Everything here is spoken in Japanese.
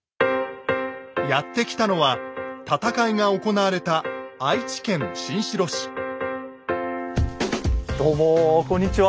やって来たのは戦いが行われたどうもこんにちは。